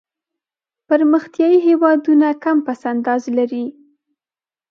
پرمختیایي هېوادونه کم پس انداز لري.